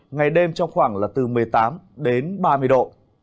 ngày đêm trong khoảng là từ một mươi tám đến ba mươi độ